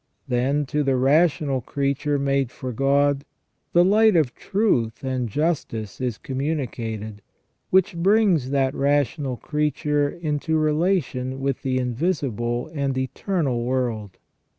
Then to the rational creature made for God, the light of truth and justice is communicated, which brings that rational creature into relation with the invisible and eternal world.